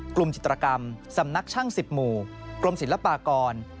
กลุ่มจิตกรรมสำนักช่างสิบหมู่กลมศิลปากร